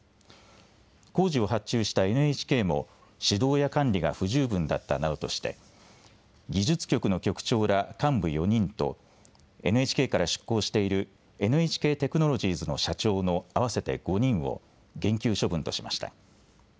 工事を発注したＮＨＫも指導や管理が不十分だったなどとして技術局の局長ら幹部４人とＮＨＫから出向しているＮＨＫテクノロジーズの社長の合わせて５人を減給処分としました。